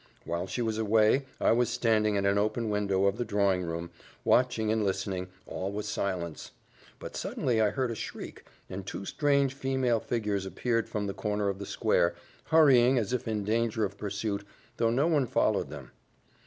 While she was away, I was standing at an open window of the drawing room, watching and listening all was silence; but suddenly I heard a shriek, and two strange female figures appeared from the corner of the square, hurrying, as if in danger of pursuit, though no one followed them.